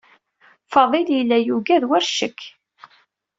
Faḍil yella yugad war ccek.